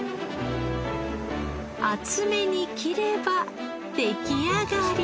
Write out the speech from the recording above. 厚めに切れば出来上がり。